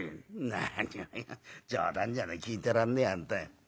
「何を冗談じゃねえ聞いてらんねえや本当に。